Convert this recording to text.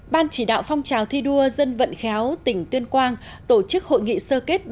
ban chỉ đạo phong trào thi đua dân vận khéo tỉnh tuyên quang tổ chức hội nghị sơ kết